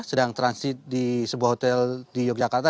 sedang transit di sebuah hotel di yogyakarta